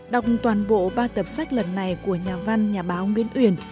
đọc toàn bộ ba tập sách lần này của nhà văn nhà báo nguyễn uyển